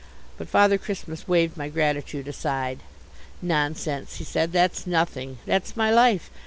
But Father Christmas waved my gratitude aside. "Nonsense," he said, "that's nothing. That's my life.